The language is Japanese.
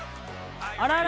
あらら。